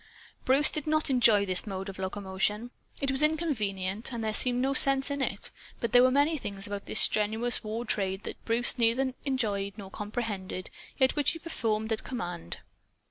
Bruce did not enjoy this mode of locomotion. It was inconvenient, and there seemed no sense in it; but there were many things about this strenuous war trade that Bruce neither enjoyed nor comprehended, yet which he performed at command.